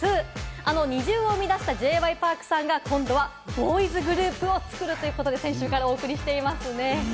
あのＮｉｚｉＵを生み出したＪ．Ｙ．Ｐａｒｋさんが、今度はボーイズグループを作るということで、先週からお送りしていますね。